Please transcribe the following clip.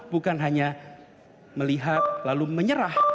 bukan hanya melihat lalu menyerah